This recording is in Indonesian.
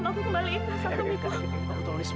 ya tidak ngobrok pas kerjaan